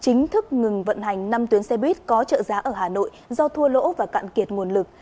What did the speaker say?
chính thức ngừng vận hành năm tuyến xe buýt có trợ giá ở hà nội do thua lỗ và cạn kiệt nguồn lực